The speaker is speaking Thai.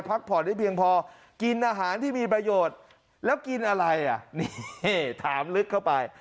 พักผ่อนได้เพียงพอกินอาหารที่มีประโยชน์แล้วกินอะไรอ่ะนี่ถามลึกเข้าไป